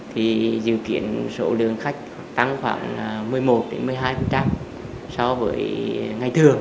thì dự kiến số lượng khách tăng khoảng một mươi một một mươi hai so với ngày thường